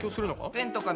ペンと紙。